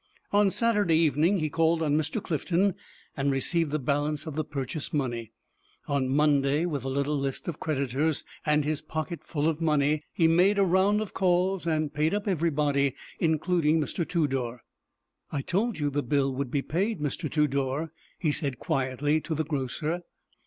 On Saturday evening he called on Mr. Clifton, and received the balance of the purchase money. On Monday, with a little list of creditors, and his pocket full of money, he made a round of calls, and paid up everybody, including Mr. Tudor. "I told you the bill would be paid, Mr. Tudor," he said, quietly, to the grocer.